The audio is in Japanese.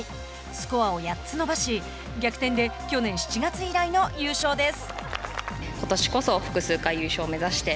スコアを８つ伸ばし、逆転で去年７月以来の優勝です。